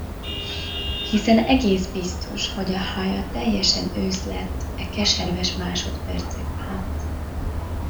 Hiszen egész biztos, hogy a haja teljesen ősz lett e keserves másodpercek alatt.